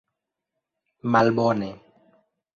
malbone